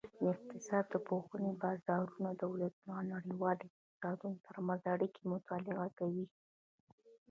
د اقتصاد پوهنځی د بازارونو، دولتونو او نړیوالو اقتصادونو ترمنځ اړیکې مطالعه کوي.